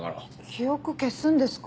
記憶消すんですか？